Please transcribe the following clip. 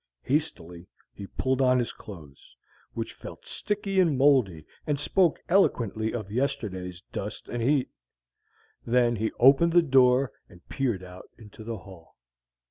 Hastily he pulled on his clothes, which felt sticky and moldy and spoke eloquently of yesterday's dust and heat. Then he opened the door and peered out into the hall.